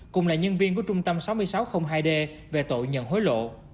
cùng là nhân viên của trung tâm sáu nghìn sáu trăm linh hai d về tội nhận hối lộ